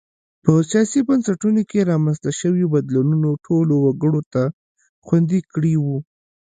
په سیاسي بنسټونو کې رامنځته شویو بدلونونو ټولو وګړو ته خوندي کړي وو.